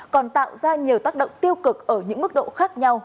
còn tạo ra nhiều tác động tiêu cực ở những mức độ khác nhau